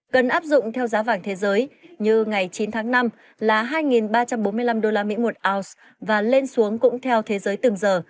cần áp dụng theo giá vàng thế giới như ngày chín tháng năm là hai ba trăm bốn mươi năm usd một ounce và lên xuống cũng theo thế giới từng giờ